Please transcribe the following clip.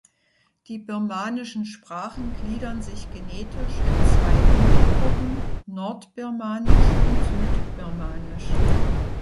Die birmanischen Sprachen gliedern sich genetisch in zwei Untergruppen, Nord-Birmanisch und Süd-Birmanisch.